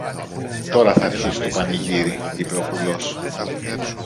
Τώρα θ' αρχίσει το πανηγύρι, είπε ο κουλός.